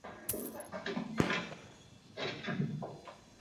Hiru habearte ditu eta bi dorre handi aurrealdean.